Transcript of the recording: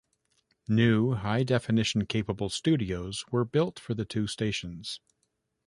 New high definition-capable studios were built for the two stations.